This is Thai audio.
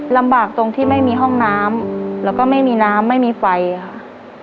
ลำบากตรงที่ไม่มีห้องน้ำแล้วก็ไม่มีน้ำไม่มีไฟค่ะ